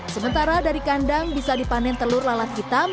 sementara dari kandang bisa dipanen telur lalat hitam